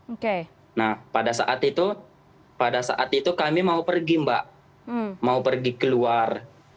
oke nah pada saat itu pada saat itu kami mau pergi mbak mau pergi keluar